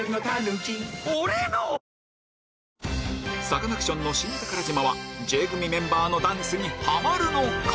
サカナクションの『新宝島』はＪ組メンバーのダンスにハマるのか？